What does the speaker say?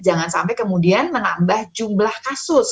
jangan sampai kemudian menambah jumlah kasus